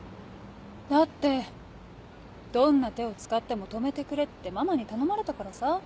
だってどんな手を使っても止めてくれってママに頼まれたからさ。